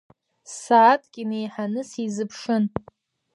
Сааҭк инеиҳаны сизыԥшын.